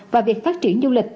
và việc phát triển du lịch